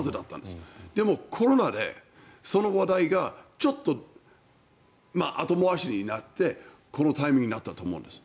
でも、コロナで、その話題がちょっと後回しになってこのタイミングになったと思うんです。